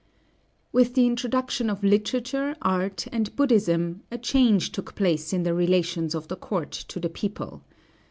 With the introduction of literature, art, and Buddhism, a change took place in the relations of the court to the people.